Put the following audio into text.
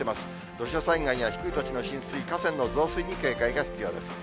土砂災害や低い土地の浸水、河川の増水に警戒が必要です。